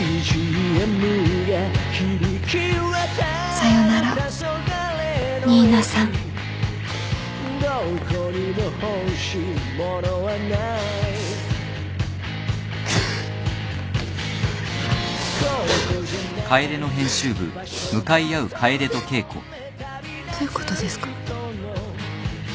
さよなら新名さんどういうことですか？